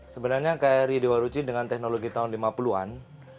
sebenarnya kri dewa ruci dengan teknologi tahun lima puluh an